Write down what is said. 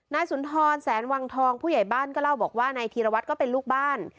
สุนทรแสนวังทองผู้ใหญ่บ้านก็เล่าบอกว่านายธีรวัตรก็เป็นลูกบ้าน